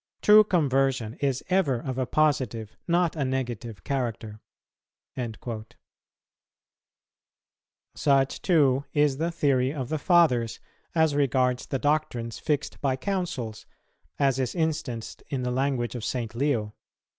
True conversion is ever of a positive, not a negative character."[201:1] Such too is the theory of the Fathers as regards the doctrines fixed by Councils, as is instanced in the language of St. Leo.